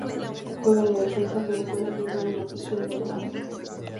Juega de defensa pero puede jugar en la posición de volante.